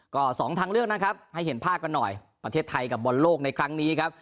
ก็สองทางเลือกนะครับให้เห็นภาพกันหน่อยประเทศไทยกับบอลโลกในครั้งนี้ครับ